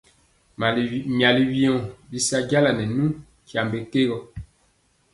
Myali wyɔ bisa janalu nkyambe ke gɔ.